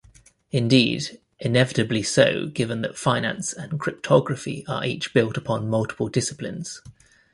Indeed, inevitably so, given that finance and cryptography are each built upon multiple disciplines.